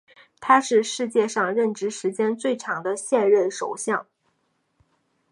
他是世界上任职时间最长的现任首相。